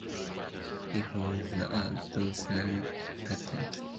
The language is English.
He holds a dozen patents.